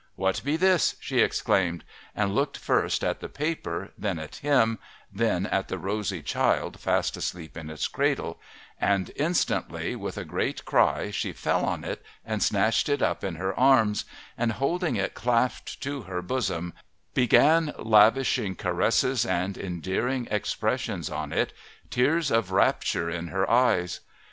"What be this?" she exclaimed, and looked first at the paper, then at him, then at the rosy child fast asleep in its cradle; and instantly, with a great cry, she fell on it and snatched it up in her arms, and holding it clasped to her bosom, began lavishing caresses and endearing expressions on it, tears of rapture in her eyes!